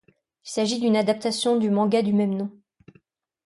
Il s'agit d'une adaptation du manga du même nom.